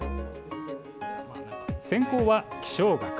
専攻は気象学。